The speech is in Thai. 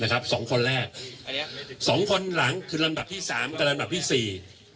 นะครับสองคนแรกสองคนหลังคือลำดับที่สามกับลำดับที่สี่